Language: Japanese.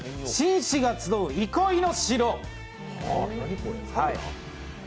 紳士が集う憩いの城。